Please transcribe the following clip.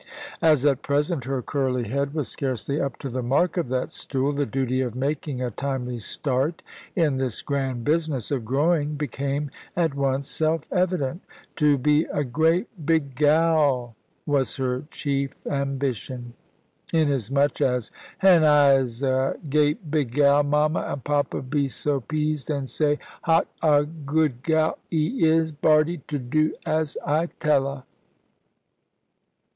As at present her curly head was scarcely up to the mark of that stool, the duty of making a timely start in this grand business of growing became at once self evident. To be "a geat big gal" was her chief ambition; inasmuch as "'hen I'se a geat big gal, mama and papa be so peased, and say, 'hot a good gal 'e is, Bardie, to do as I tell 'a!"